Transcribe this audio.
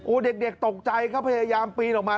โอ้เด็กตกใจเค้าพยายามปีนออกมา